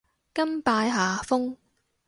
甘拜下風